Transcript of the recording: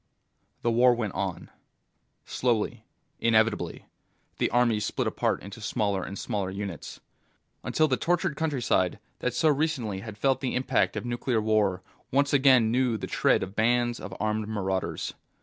The war went on. Slowly, inevitably, the armies split apart into smaller and smaller units, until the tortured countryside that so recently had felt the impact of nuclear war once again knew the tread of bands of armed marauders.